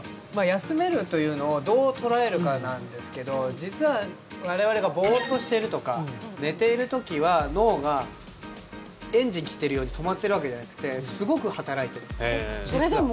休めるというのをどう捉えるかなんですけど実は我々がボーッとしているとか寝ている時は脳がエンジン切っているように止まっているわけではなくてすごく働いているんですね実は。